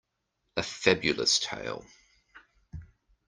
A Fabulous tale.